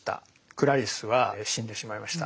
クラリスは死んでしまいました。